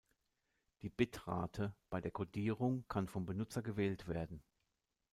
Die Bitrate bei der Kodierung kann vom Benutzer gewählt werden.